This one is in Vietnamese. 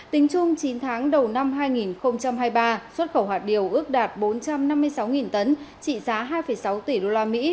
tính chung chín tháng đầu năm hai nghìn hai mươi ba xuất khẩu hạt điều ước đạt bốn trăm năm mươi sáu tấn trị giá hai sáu tỷ usd